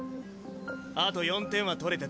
あと４点は取れてた。